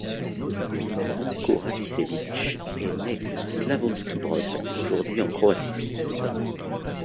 Branko Radičević est né à Slavonski Brod, aujourd'hui en Croatie.